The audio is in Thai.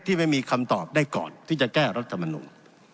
ไม่มีคำตอบได้ก่อนที่จะแก้รัฐมนุน